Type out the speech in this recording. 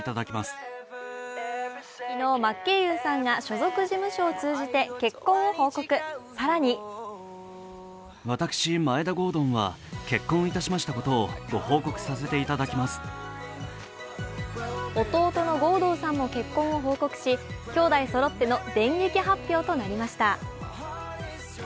昨日、真剣佑さんが所属事務所を通じて結婚を報告、更に弟の郷敦さんも結婚を報告し、兄弟そろっての電撃発表となりました。